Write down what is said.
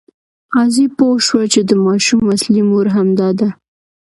قاضي پوه شو چې د ماشوم اصلي مور همدا ده.